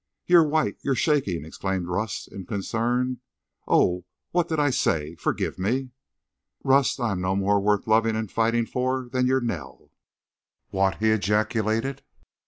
"You're white—you're shaking," exclaimed Rust, in concern. "Oh, I—what did I say? Forgive me—" "Rust, I am no more worth loving and fighting for than your Nell." "What!" he ejaculated.